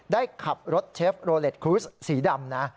ได้ขับรถเชฟโรเล็ตครูสสีดำนะ